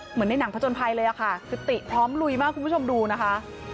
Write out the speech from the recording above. เหมือนในหนังผจญภัยเลยค่ะคือติพร้อมลุยมากคุณผู้ชมดูนะคะ